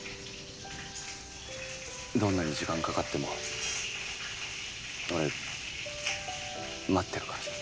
どんなに時間かかっても俺待ってるからさ。